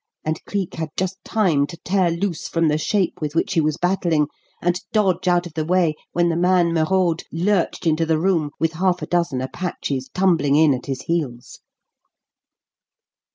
and Cleek had just time to tear loose from the shape with which he was battling, and dodge out of the way when the man Merode lurched into the room, with half a dozen Apaches tumbling in at his heels.